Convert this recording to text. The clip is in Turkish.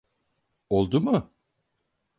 Oldu mu?